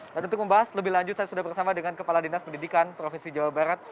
dan untuk membahas lebih lanjut saya sudah bersama dengan kepala dinas pendidikan provinsi jawa barat